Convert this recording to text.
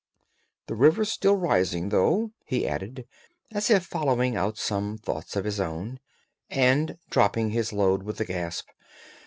"The river's still rising, though," he added, as if following out some thoughts of his own, and dropping his load with a gasp.